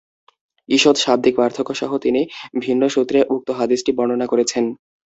ঈষৎ শাব্দিক পার্থক্যসহ তিনি ভিন্ন সূত্রে উক্ত হাদীসটি বর্ণনা করেছেন।